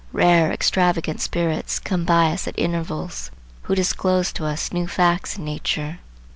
Rare, extravagant spirits come by us at intervals, who disclose to us new facts in nature.